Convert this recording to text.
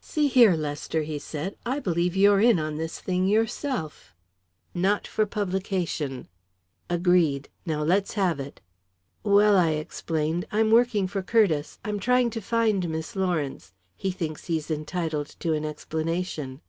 "See here, Lester," he said, "I believe you're in on this thing yourself." "Not for publication." "Agreed. Now let's have it." "Well," I explained, "I'm working for Curtiss. I'm trying to find Miss Lawrence. He thinks he's entitled to an explanation."